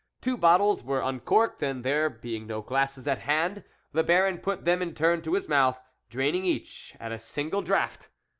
Two bottles were uncorked, and there being no glasses at hand, the Baron put them in turn to his mouth, draining each at a single draught.